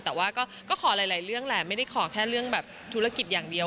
แต่ว่าก็ขอหลายเรื่องแหละไม่ได้ขอแค่เรื่องแบบธุรกิจอย่างเดียว